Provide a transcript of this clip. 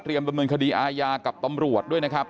เตรียมประเมินคดีอายากับปำรวจ